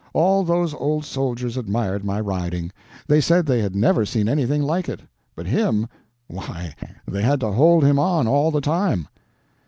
All those old soldiers admired my riding; they said they had never seen anything like it. But him—why, they had to hold him on, all the time."